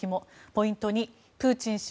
ポイント２、プーチン氏